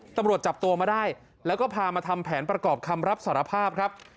ตำรวจจับตัวมาได้แล้วก็พามาทำแผนประกอบคำรับสารภาพครับ